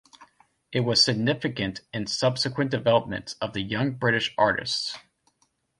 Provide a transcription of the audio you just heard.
It was significant in the subsequent development of the Young British Artists.